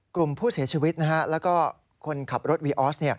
กลุ่มผู้เสียชีวิตแล้วก็คนขับรถวีออส